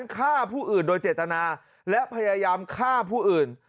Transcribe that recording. ฆ่าผู้อื่นโดยเจตนาและพยายามฆ่าผู้อื่น